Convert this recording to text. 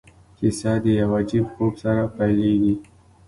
کیسه د یو عجیب خوب سره پیلیږي.